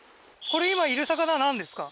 これ今いる魚なんですか？